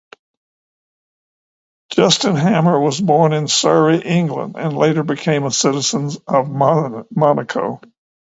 Justin Hammer was born in Surrey, England and later became a citizen of Monaco.